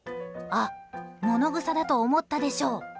あ、ものぐさだと思ったでしょ？